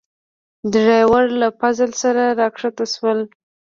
دریواړه له فضل سره راکښته شولو.